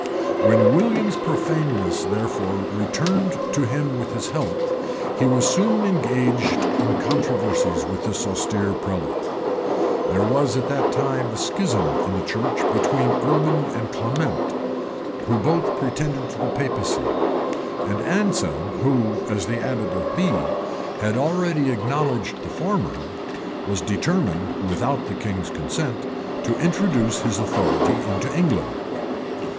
[*] When William's profaneness therefore returned to him with his health, he was soon engaged in controversies with this austere prelate. There was at that time a schism in the church between Urban and Clement, who both pretended to the papacy;[] and Anselm, who, as abbot of Bee, had already acknowledged the former, was determined, without the king's consent, to introduce his authority into England.